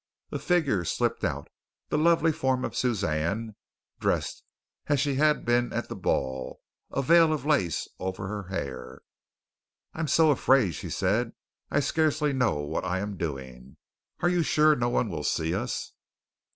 A figure slipped out, the lovely form of Suzanne, dressed as she had been at the ball, a veil of lace over her hair. "I'm so afraid," she said, "I scarcely know what I am doing. Are you sure no one will see us?"